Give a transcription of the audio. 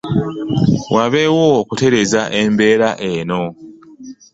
Wabeewo okutereeza embeera eno.